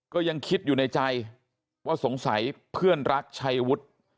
ก็ยังคิดอยู่ในใจว่าสงสัยเพื่อนรักชัยวุฒิ